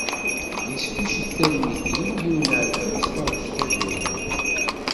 Yesficcet talwit-iw yiwen n ɛelxir s taɣec d tazurant.